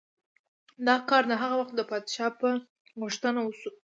دا کار د هغه وخت د پادشاه په غوښتنه وشو.